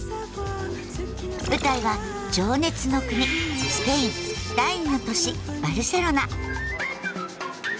舞台は情熱の国スペイン第２の都市バルセロナ。